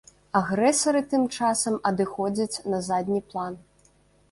Агрэсары тым часам адыходзяць на задні план.